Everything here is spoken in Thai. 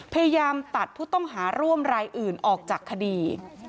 พยายามตัดผู้ต้องหาร่วมรายอื่นออกจากคดี